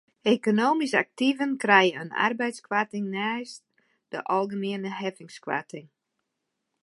Ekonomysk aktiven krije in arbeidskoarting neist de algemiene heffingskoarting.